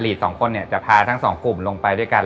ลีด๒คนจะพาทั้ง๒กลุ่มลงไปด้วยกัน